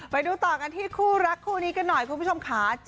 ไปดูต่อกันที่คู่รักคู่นี้กันหน่อยคุณผู้ชมค่ะ